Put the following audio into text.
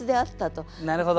なるほど。